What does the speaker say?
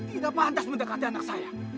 tidak pantas mendekati anak saya